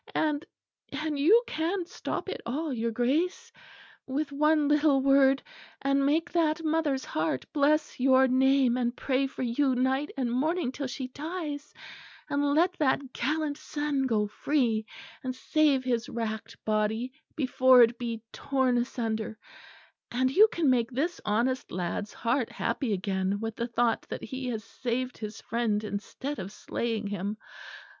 And and, you can stop it all, your Grace, with one little word; and make that mother's heart bless your name and pray for you night and morning till she dies; and let that gallant son go free, and save his racked body before it be torn asunder; and you can make this honest lad's heart happy again with the thought that he has saved his friend instead of slaying him.